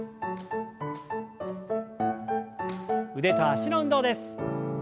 腕と脚の運動です。